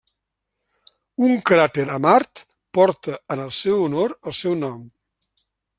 Un cràter a Mart porta en el seu honor el seu nom.